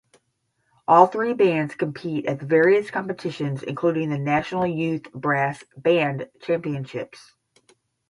All three bands compete at various competitions including the National Youth Brass Band Championships.